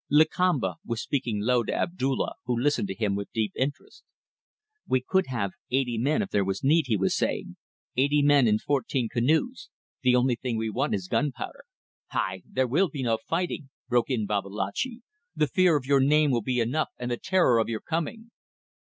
Lakamba was speaking low to Abdulla, who listened to him with deep interest. "... We could have eighty men if there was need," he was saying "eighty men in fourteen canoes. The only thing we want is gunpowder ..." "Hai! there will be no fighting," broke in Babalatchi. "The fear of your name will be enough and the terror of your coming."